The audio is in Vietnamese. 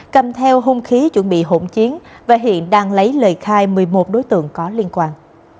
cầm theo hung khí chuẩn bị hỗn chiến và hiện đang lấy lời khai một mươi một đối tượng có liên quan